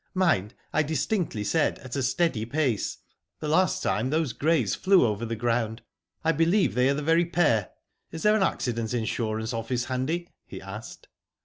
Mind, I distinctly said, at a steady pace. The last time those greys flew over the ground. I believe they are the very pair. Is there an accident insurance office handy?" he asked.